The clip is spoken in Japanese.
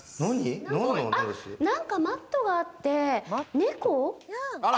なんかマットがあって、猫？